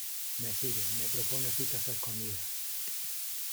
me sigue, me propone citas a escondidas.